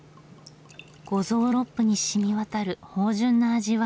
五臓六腑にしみわたる芳じゅんな味わい。